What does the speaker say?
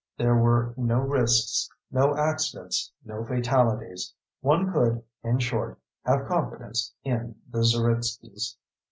There were no risks, no accidents, no fatalities. One could, in short, have confidence in the Zeritskys.